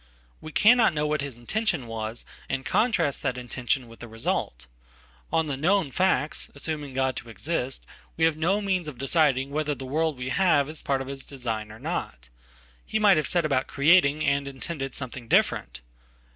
We cannot know what his intention was, and we contrastthat intention with the result. On the known facts, assuming God toexist, we have no means of deciding whether the world we have ispart of his design or not. He might have set about creating andintended something different.